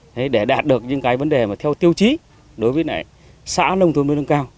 thế để đạt được những cái vấn đề mà theo tiêu chí đối với lại xã nông thôn mới nâng cao